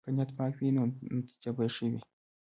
که نیت پاک وي، نو نتیجه به ښه وي.